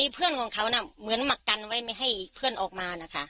เพื่อนของเขาเหมือนมากันไว้ไม่ให้เพื่อนออกมานะคะ